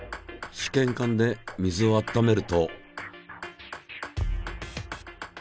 試験管で水を温めると。